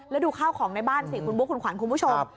แล้วดูข้าวของในบ้านสิคุณบุ๊คคุณขวัญคุณผู้ชม